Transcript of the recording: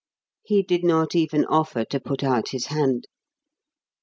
He did not even offer to put out his hand.